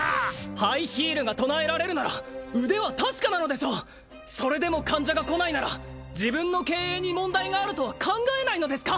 ハイヒールが唱えられるなら腕は確かなのでしょうそれでも患者が来ないなら自分の経営に問題があるとは考えないのですか？